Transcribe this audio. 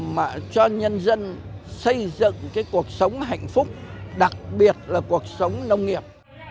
mà cho nhân dân xây dựng cái cuộc sống hạnh phúc đặc biệt là cuộc sống nông nghiệp